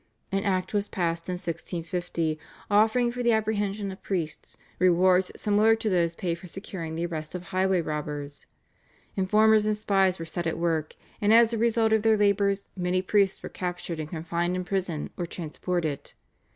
An Act was passed in 1650 offering for the apprehension of priests rewards similar to those paid for securing the arrest of highway robbers. Informers and spies were set at work, and as a result of their labours many priests were captured and confined in prison or transported.